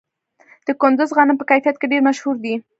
د کندز غنم په کیفیت کې ډیر مشهور دي.